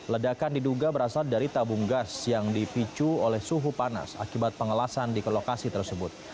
ledakan diduga berasal dari tabung gas yang dipicu oleh suhu panas akibat pengelasan di ke lokasi tersebut